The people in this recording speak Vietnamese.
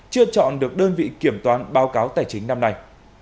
chưa chọn được đơn vị kiểm toán báo cáo tài chính năm nay